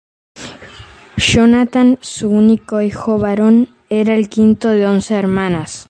Jonathan, su único hijo varón, era el quinto de once hermanas.